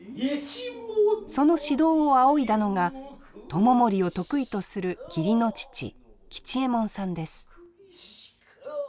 その指導を仰いだのが知盛を得意とする義理の父吉右衛門さんです。